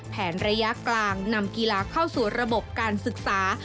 ระยะกลางนำกีฬาเข้าสู่ระบบการศึกษา